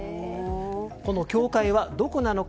この境界はどこなのか。